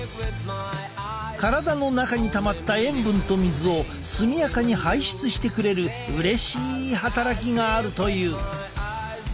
体の中にたまった塩分と水を速やかに排出してくれるうれしい働きがあるという。